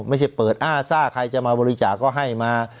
ไม่ใช่เปิดอ้าซ่าใครจะมาบริจาคก็ให้มา